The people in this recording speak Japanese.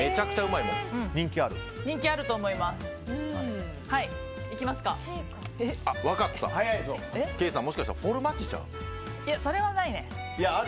いや、それはないね。